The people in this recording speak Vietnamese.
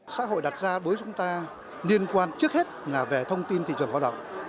xã hội đặt ra đối với chúng ta liên quan trước hết là về thông tin thị trường lao động